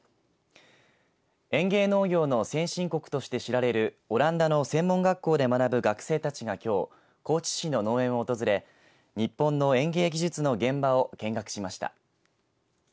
園芸農業の先進国と知られるオランダの専門学校で学ぶ学生たちがきょう高知市の農園を訪れ日本の園芸技術の現場を見学しました。